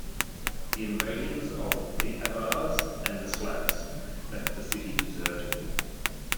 The invasions of the Avars and Slavs left the city deserted.